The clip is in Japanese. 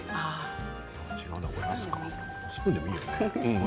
スプーンでもいいよね。